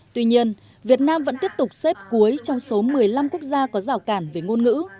tuy nhiên việt nam vẫn tiếp tục xếp cuối trong số một mươi năm quốc gia có rào cản về ngôn ngữ